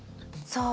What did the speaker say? そう。